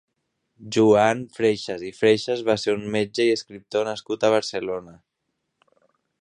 Joan Freixas i Freixas va ser un metge i escriptor nascut a Barcelona.